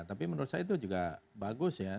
tapi menurut saya itu juga bagus ya